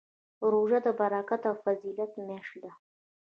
روژه د برکت او فضیله میاشت ده